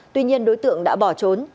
tuy nhiên đối tượng đã bỏ trốn